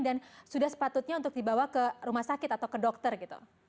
dan sudah sepatutnya untuk dibawa ke rumah sakit atau ke dokter gitu